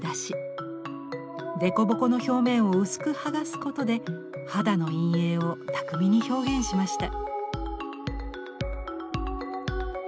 デコボコの表面を薄く剥がすことで肌の陰影を巧みに表現しました。